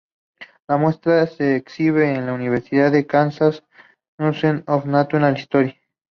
La muestra se exhibe en la Universidad de Kansas Museum of Natural History.